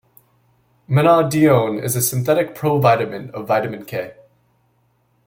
Menadione is a synthetic provitamin of vitamin K.